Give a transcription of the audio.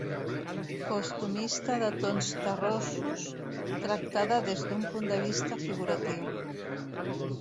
Costumista de tons terrossos tractada des d’un punt de vista figuratiu.